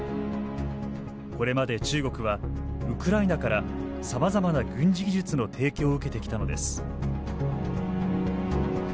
これまで中国はウクライナからさまざまな軍事技術の提供を受けてきたのです。